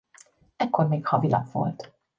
Ekkor még havilap volt.